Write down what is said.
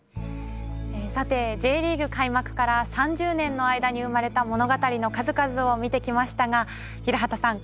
さてＪリーグ開幕から３０年の間に生まれた物語の数々を見てきましたが平畠さん